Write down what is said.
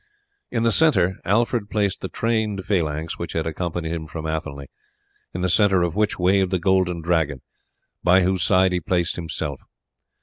In the centre Alfred placed the trained phalanx which had accompanied him from Athelney, in the centre of which waved the Golden Dragon, by whose side he placed himself.